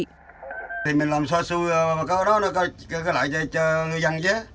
cái đó là cái lại cho ngư dân chứ